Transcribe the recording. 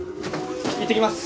いってきます。